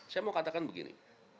saya mau katakan begini